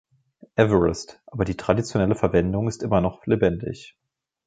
Everest, aber die traditionelle Verwendung ist immer noch lebendig.